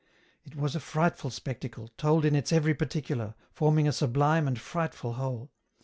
It was a frightful spectacle, told in its every particular, forming a sublime and frightful whole.